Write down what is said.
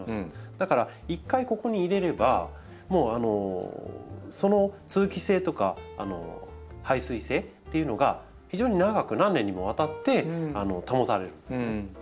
だから一回ここに入れればもうその通気性とか排水性っていうのが非常に長く何年にもわたって保たれるんです。